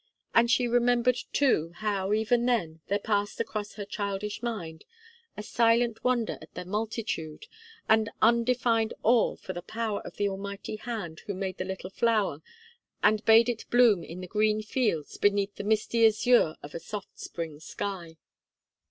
And she remembered, too, how, even then, there passed across her childish mind, a silent wonder at their multitude, an undefined awe for the power of the Almighty Hand who made the little flower, and bade it bloom in the green fields, beneath the misty azure of a soft spring sky.